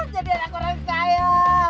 jadilah aku orang kaya